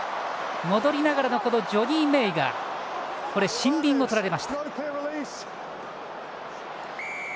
戻りながらのジョニー・メイがシンビンをとられました。